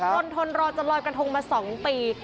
ทนทนรอจะลอยกระทงมา๒ปี